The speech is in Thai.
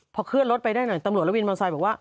พอเคลื่อนรถไปได้หน่อยตำรวจละวินบรรทรายบอกว่า